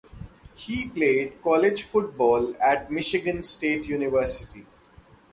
He played college football at Michigan State University.